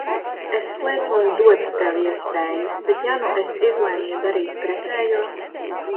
Es sliecos dot tev iespēju, bet ja nu es izlemju darīt pretējo?